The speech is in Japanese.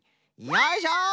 よいしょ！